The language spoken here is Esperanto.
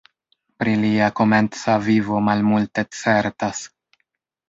Pri lia komenca vivo malmulte certas.